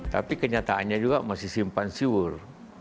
tapi kenyataannya juga masih simpan siur